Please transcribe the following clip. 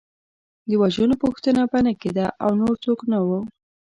د وژنو پوښتنه به نه کېده او نور څوک نه وو.